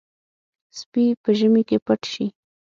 سپي په ژمي کې پټ شي.